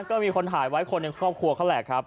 ก็มีคนถ่ายไว้คนในครอบครัวเขาแหละครับ